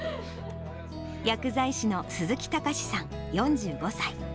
薬剤師の鈴木貴詞さん４５歳。